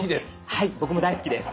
はい僕も大好きです。